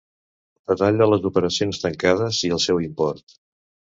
Detall de les operacions tancades i el seu import.